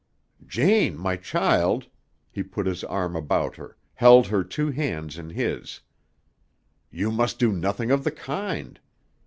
"Jane, my child," he put his arm about her, held her two hands in his, "you must do nothing of the kind.